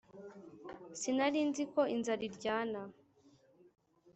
Sinarinziko inzara iryana